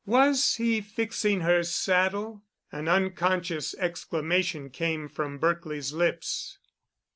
Was he fixing her saddle? An unconscious exclamation came from Berkely's lips.